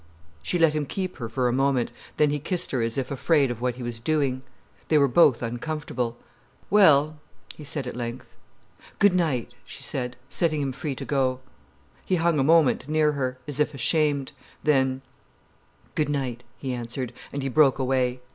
She let him keep her for a moment, then he kissed her as if afraid of what he was doing. They were both uncomfortable. "Well——!" he said at length. "Good night!" she said, setting him free to go. He hung a moment near her, as if ashamed. Then "Good night," he answered, and he broke away.